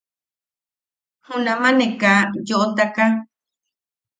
Junama ne ka yoʼotaka.